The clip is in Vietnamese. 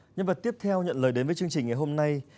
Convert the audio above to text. nhân vật tiếp theo nhận lời đến với chương trình ngày hôm nay